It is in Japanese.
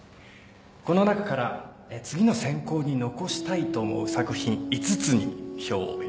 この中から次の選考に残したいと思う作品５つに票を入れていただきます。